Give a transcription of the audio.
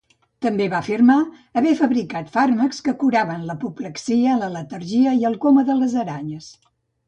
També va afirmar haver fabricat fàrmacs que curaven l"apoplexia, la letargia i el coma de les aranyes.